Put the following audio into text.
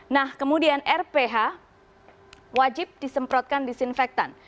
nah kemudian rph wajib disemprotkan disinfektan